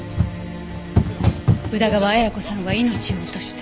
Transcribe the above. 宇田川綾子さんは命を落とした。